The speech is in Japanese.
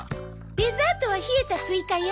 デザートは冷えたスイカよ。